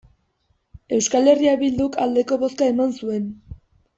Euskal Herria Bilduk aldeko bozka eman zuen.